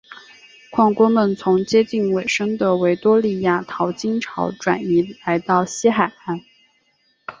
矿工们从接近尾声的维多利亚淘金潮转移来到西海岸。